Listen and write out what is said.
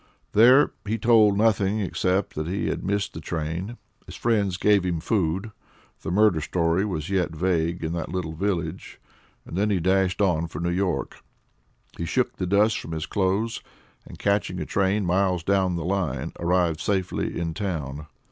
There he told nothing, except that he had missed the train. His friends gave him food the murder story was yet vague in the little village and then he dashed on for New York. He shook the dust from his clothes and, catching a train miles down the line, arrived safely in town.